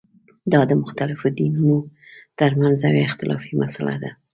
دا د مختلفو دینونو ترمنځه یوه اختلافي مسله ده.